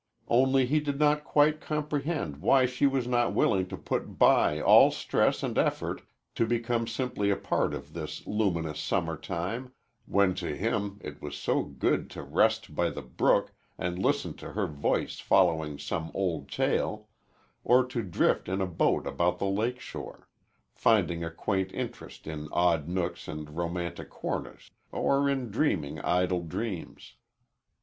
Only he did not quite comprehend why she was not willing to put by all stress and effort to become simply a part of this luminous summer time, when to him it was so good to rest by the brook and listen to her voice following some old tale, or to drift in a boat about the lake shore, finding a quaint interest in odd nooks and romantic corners or in dreaming idle dreams.